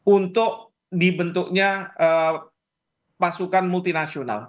untuk dibentuknya pasukan multinasional